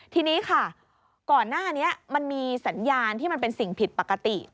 ทีนี้ค่ะก่อนหน้านี้มันมีสัญญาณที่มันเป็นสิ่งผิดปกติ